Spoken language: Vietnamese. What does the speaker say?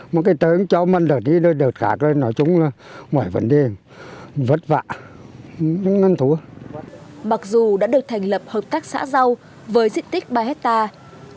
mặc dù đã được thành lập hợp tác xã rau với diện tích ba hectare